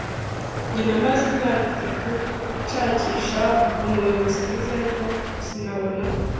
Njye namaze imyaka itatu nshakisha umuyobozi mwiza, ariko sinabona.